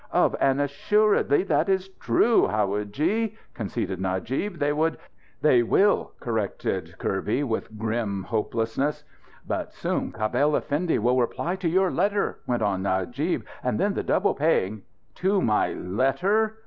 "Of an assuredly, that is true, howadji," conceded Najib. "They would " "They will!" corrected Kirby with grim hopelessness. "But soon Cabell Effendi will reply to your letter," went on Najib. "And then the double paying " "To my letter!"